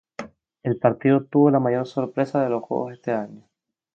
El partido obtuvo la mayor sorpresa de los juegos en ese año.